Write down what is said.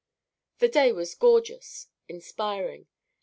The day was gorgeous, inspiring.